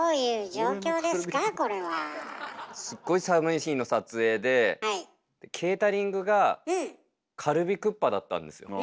すっごい寒い日の撮影でケータリングがカルビクッパだったんですよ。